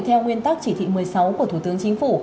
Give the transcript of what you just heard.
theo nguyên tắc chỉ thị một mươi sáu của thủ tướng chính phủ